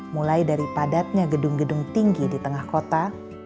mulai dari padatnya gedung gedung tinggi di tengah kota